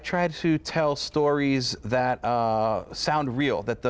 สไตล์ของผมสนุกมาก